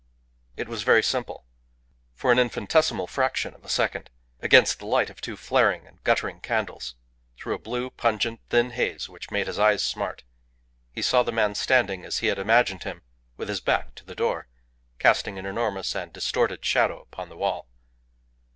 It was very simple. For an infinitesimal fraction of a second, against the light of two flaring and guttering candles, through a blue, pungent, thin haze which made his eyes smart, he saw the man standing, as he had imagined him, with his back to the door, casting an enormous and distorted shadow upon the wall.